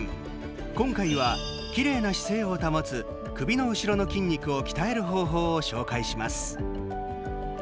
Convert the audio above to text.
今回は、きれいな姿勢を保つ首の後ろの筋肉を鍛える方法を紹介します。